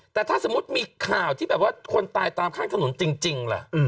แต่ถ้าสมมุติมีข่าวที่แบบว่าคนตายตามข้างถนนจริงล่ะ